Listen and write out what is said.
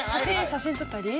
写真撮ったり。